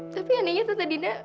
tapi anehnya tante dina